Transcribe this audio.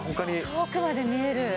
遠くまで見える。